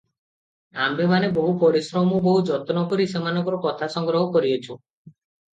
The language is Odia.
ଆମ୍ଭେମାନେ ବହୁ ପରିଶ୍ରମ ବହୁ ଯତ୍ନ କରି ସେମାନଙ୍କର କଥା ସଂଗ୍ରହ କରିଅଛୁଁ ।